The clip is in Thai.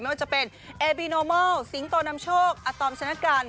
ไม่ว่าจะเป็นเอบิโนเมิลสิงห์โตนำโชคอตอมชนะกัล